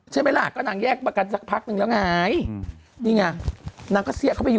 ใช่ไหมล่ะก็นางแยกประกันสักพักนึงแล้วไงนี่ไงนางก็เสี้ยเข้าไปอยู่